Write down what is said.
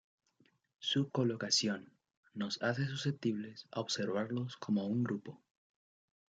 Su colocación nos hace susceptibles a observarlos como un grupo.